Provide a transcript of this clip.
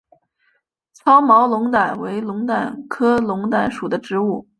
糙毛龙胆为龙胆科龙胆属的植物。